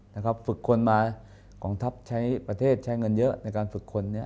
ฝึกคนมากองทัพใช้ประเทศใช้เงินเยอะในการฝึกคนเนี่ย